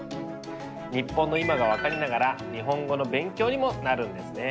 日本の今が分かりながら日本語の勉強にもなるんですね。